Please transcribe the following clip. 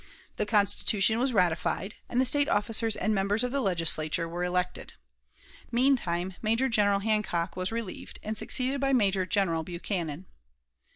The Constitution was ratified, and the State officers and members of the Legislature were elected. Meantime Major General Hancock was relieved, and succeeded by Major General Buchanan.